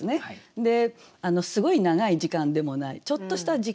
ですごい長い時間でもないちょっとした時間。